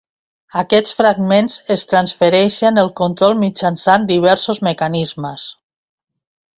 Aquests fragments es transfereixen el control mitjançant diversos mecanismes.